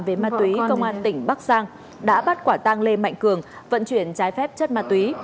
về ma túy công an tỉnh bắc giang đã bắt quả tang lê mạnh cường vận chuyển trái phép chất ma túy